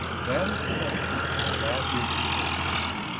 That is the record, and that is suffi cient.